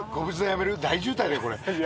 大渋滞だよこれ。